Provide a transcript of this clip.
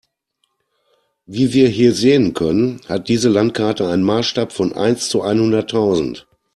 Wie wir hier sehen können, hat diese Landkarte einen Maßstab von eins zu einhunderttausend.